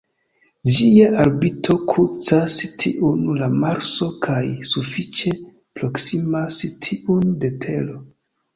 Ĝia orbito krucas tiun de Marso kaj sufiĉe proksimas tiun de Tero.